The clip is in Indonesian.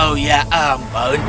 oh ya ampun